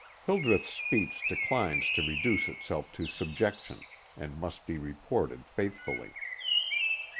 [Hildreth's speech declines to reduce itself to subjection, and must be reported faithfully.